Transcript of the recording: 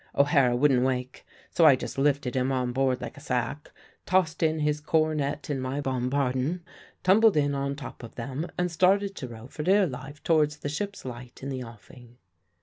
O'Hara wouldn't wake, so I just lifted him on board like a sack, tossed in his cornet and my bombardon, tumbled in on top of them, and started to row for dear life towards the ship's light in the offing.